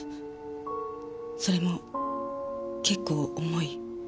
それも結構重い。